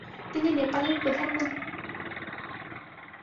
তিনি নেপালের প্রধানমন্ত্রীর দায়িত্ব পালন করেন।